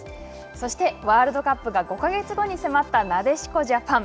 そして、ワールドカップが５か月後に迫ったなでしこジャパン。